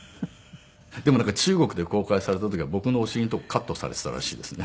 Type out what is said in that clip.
でもなんか中国で公開された時は僕のお尻のとこカットされていたらしいですね。